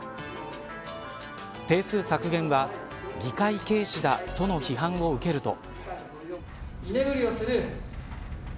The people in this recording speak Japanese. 定数削減は議会軽視だとの批判を受けると。